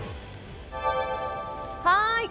はい。